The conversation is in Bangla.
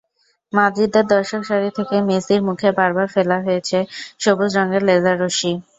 মাদ্রিদের দর্শকসারি থেকে মেসির মুখে বারবার ফেলা হয়েছে সবুজ রঙের লেসার-রশ্মি।